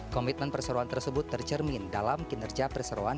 komitmen perseruan tersebut tercermin dalam kinerja perseroan